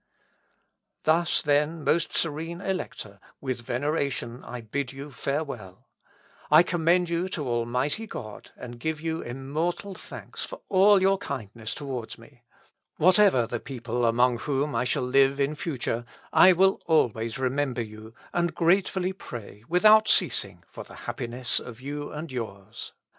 "Thus, then, most serene Elector, with veneration I bid you farewell. I commend you to Almighty God, and give you immortal thanks for all your kindness towards me. Whatever the people among whom I shall live in future, I will always remember you, and gratefully pray, without ceasing, for the happiness of you and yours....